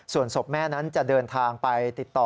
ส่วนศพแม่นั้นจะเดินทางไปติดต่อ